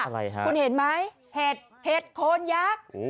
คุณเห็นไหมเห็ดโค้นยักษ